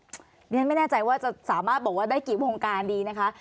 เพราะฉะนั้นไม่แน่ใจว่าจะสามารถบอกว่าได้กี่วงการดีนะคะ